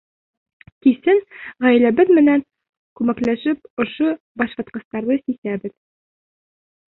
Кисен ғаиләбеҙ менән күмәкләшеп ошо башватҡыстарҙы сисәбеҙ.